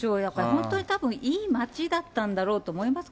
本当にたぶんいい町だったんだろうと思います。